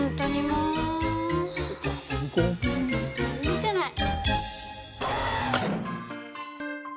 許せない。